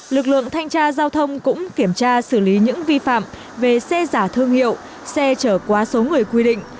lực lượng thanh tra giao thông cũng kiểm tra xử lý những vi phạm về xe giả thương hiệu xe trở quá số người quy định